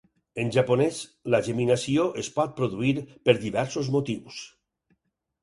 En japonès, la geminació es pot produir per diversos motius.